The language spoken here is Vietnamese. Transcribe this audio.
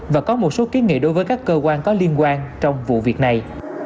và có một số kiến nghị đối với các cơ quan có liên quan trong vụ việc này